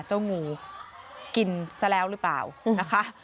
เจ้างูกินซะแล้วหรือเปล่านะคะ